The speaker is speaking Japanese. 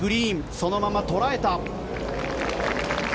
そのまま捉えた。